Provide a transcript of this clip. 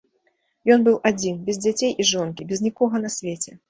Ён быў адзін, без дзяцей і жонкі, без нікога на свеце.